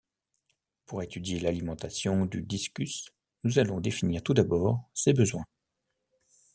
Pour étudier l'alimentation du Discus nous allons définir tout d'abord ses besoins.